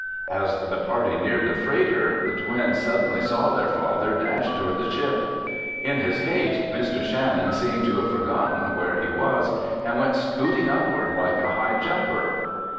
As the party neared the freighter, the twins suddenly saw their father dash toward the ship. In his haste, Mr. Shannon seemed to have forgotten where he was and went scooting upward like a high jumper.